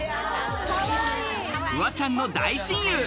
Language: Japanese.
フワちゃんの大親友Ａ